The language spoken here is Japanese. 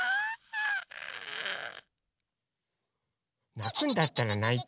なくんだったらないて。